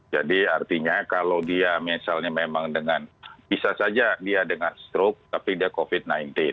jadi artinya kalau dia misalnya memang dengan bisa saja dia dengan stroke tapi dia covid sembilan belas